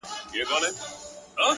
• د عادل پاچا په نوم یې وو بللی,